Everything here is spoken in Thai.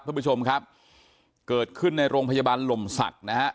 คุณผู้ชมครับเกิดขึ้นในโรงพยาบาลลมศักดิ์นะฮะ